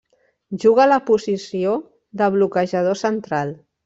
Juga a la posició de bloquejador central.